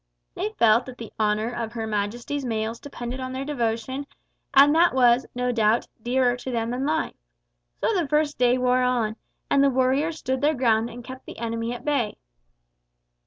They felt that the honour of Her Majesty's mails depended on their devotion, and that was, no doubt, dearer to them than life! So the first day wore on, and the warriors stood their ground and kept the enemy at bay.